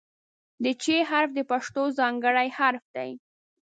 د "چ" حرف د پښتو ځانګړی حرف دی.